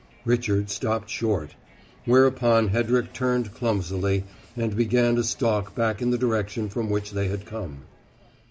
Richard stopped short; whereupon Hedrick turned clumsily, and began to stalk back in the direction from which they had come.